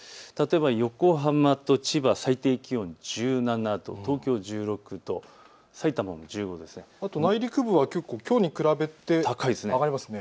横浜と千葉、最低気温１７度、東京１６度、さいたま１５度、内陸部はきょうに比べて上がりますね。